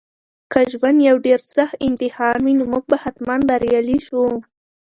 که ژوند یو ډېر سخت امتحان وي نو موږ به حتماً بریالي شو.